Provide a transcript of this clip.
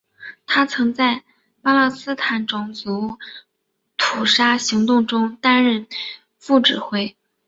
他曾在巴勒斯坦种族屠杀行动中担任副指挥。